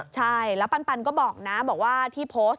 ใช่แล้วปันก็บอกนะบอกว่าที่โพสต์